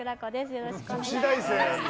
よろしくお願いします。